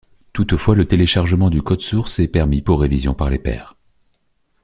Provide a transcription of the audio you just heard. Toutefois le téléchargement du code source est permis pour révision par les pairs.